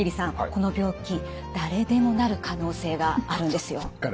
この病気誰でもなる可能性があるんですよ。